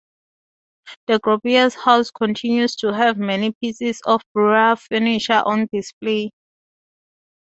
The Gropius House continues to have many pieces of Breuer furniture on display.